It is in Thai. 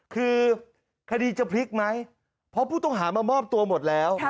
คือคดีจะพลิกไหมเพราะผู้ต้องหามามอบตัวหมดแล้ว